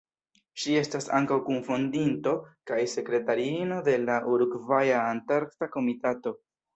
Ŝi estas ankaŭ kun-fondinto kaj sekretariino de la Urugvaja Antarkta Komitato.